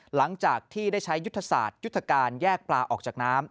หลังจากที่ได้ใช้ยุทธศาสตร์ยุทธการแยกปลาออกจากน้ำ